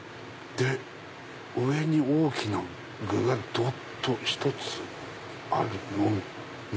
上に大きな具がどっ！と一つあるのみ。